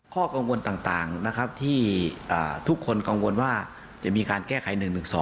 ข้อกังวลต่างนะครับที่ทุกคนกังวลว่าจะมีการแก้ไข๑๑๒